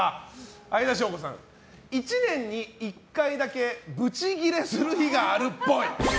相田翔子さん、１年に１回だけブチギレする日があるっぽい。